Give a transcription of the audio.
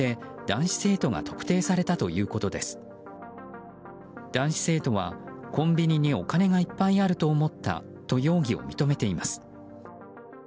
男子生徒はコンビニにお金がいっぱいあると思ったと容疑を認めています。